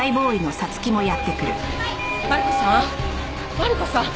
マリコさん？